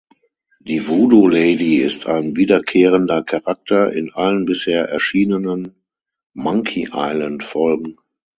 Die Voodoo-Lady ist ein wiederkehrender Charakter in allen bisher erschienenen "Monkey Island"-Folgen.